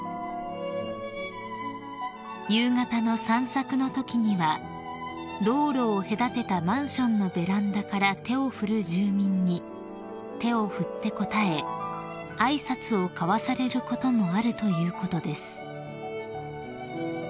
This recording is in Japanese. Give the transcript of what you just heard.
［夕方の散策のときには道路を隔てたマンションのベランダから手を振る住民に手を振って応え挨拶を交わされることもあるということです］